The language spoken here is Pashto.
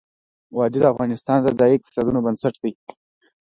وادي د افغانستان د ځایي اقتصادونو بنسټ دی.